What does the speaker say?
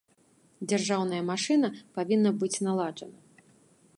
Дзяржаўная машына павінна быць наладжана.